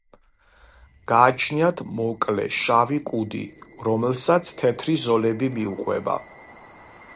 გააჩნიათ მოკლე შავი კუდი, რომელსაც თეთრი ზოლები მიუყვება.